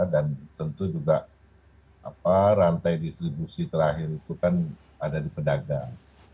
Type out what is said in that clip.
dan tentu juga rantai distribusi terakhir itu kan ada di pedagang